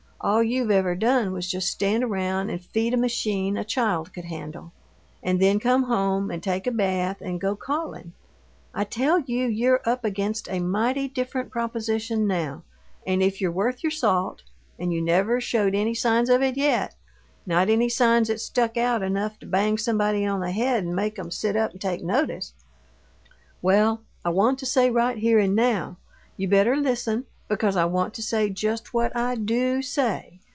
All you've ever done was just stand around and feed a machine a child could handle, and then come home and take a bath and go callin'. I tell you you're up against a mighty different proposition now, and if you're worth your salt and you never showed any signs of it yet not any signs that stuck out enough to bang somebody on the head and make 'em sit up and take notice well, I want to say, right here and now and you better listen, because I want to say just what I DO say.